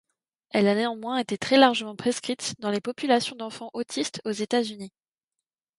Elle a néanmoins été très largement prescrite dans les populations d’enfants autistes aux États-Unis.